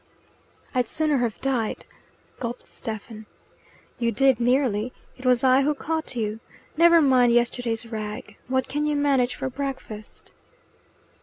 "I'd sooner have died," gulped Stephen. "You did nearly! It was I who caught you. Never mind yesterday's rag. What can you manage for breakfast?"